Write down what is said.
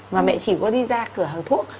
mà mẹ chỉ có đi ra cửa hàng thuốc